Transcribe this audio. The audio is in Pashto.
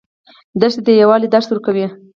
دښته د یووالي درس ورکوي.